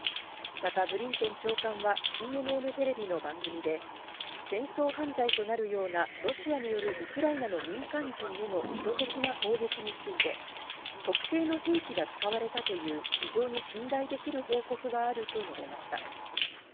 またブリンケン長官はＣＮＮテレビの番組で戦争犯罪となるようなロシアによるウクライナの民間人への意図的な攻撃について特定の兵器が使われたという非常に信頼できる報告があると述べました。